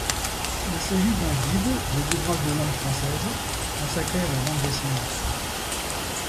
Il s'agit d'un guide des ouvrages de langue française consacrés à la bande dessinée.